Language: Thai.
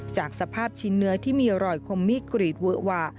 จากสภาพชิ้นเนื้อที่มีรอยคมมีดกรีดเวอะวะ